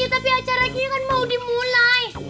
ya tapi acara ini kan mau dimulai